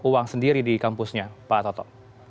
uang sendiri di kampusnya pak toto